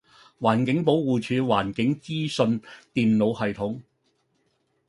環境保護署環境資訊電腦系統